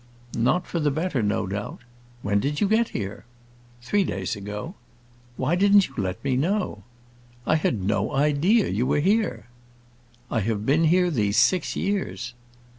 "Not for the better, no doubt. When did you get here?" "Three days ago." "Why didn't you let me know?" "I had no idea you were here." "I have been here these six years."